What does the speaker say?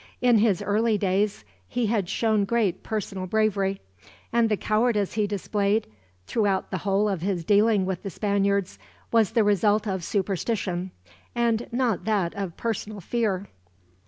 In his early days he had shown great personal bravery; and the cowardice he displayed, throughout the whole of his dealing with the Spaniards, was the result of superstition, and not that of personal fear.